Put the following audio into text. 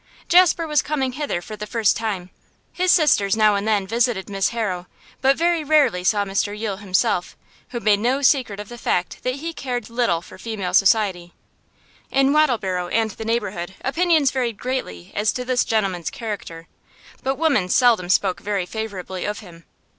Jasper was coming hither for the first time; his sisters now and then visited Miss Harrow, but very rarely saw Mr Yule himself who made no secret of the fact that he cared little for female society. In Wattleborough and the neighbourhood opinions varied greatly as to this gentleman's character, but women seldom spoke very favourably of him.